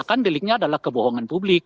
karena di linknya adalah kebohongan publik